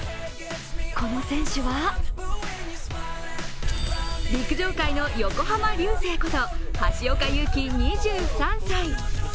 この選手は、陸上界の横浜流星こと橋岡優輝２３歳。